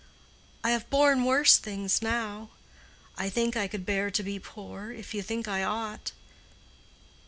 I have borne worse things now. I think I could bear to be poor, if you think I ought.